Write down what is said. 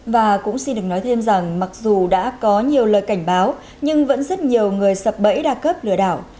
và cũng xin được nói thêm rằng mặc dù đã có nhiều lời cảnh báo nhưng vẫn rất nhiều người sập bẫy đa cấp lừa đảo